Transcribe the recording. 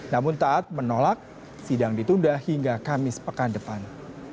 namun taat menolak sidang ditunda hingga kamis pekan depan